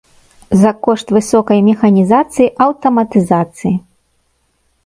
За кошт высокай механізацыі, аўтаматызацыі.